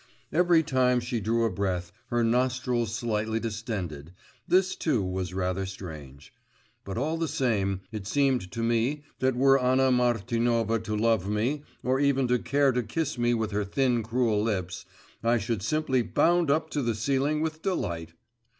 Every time she drew a breath, her nostrils slightly distended this, too, was rather strange. But all the same, it seemed to me that were Anna Martinovna to love me, or even to care to kiss me with her thin cruel lips, I should simply bound up to the ceiling with delight.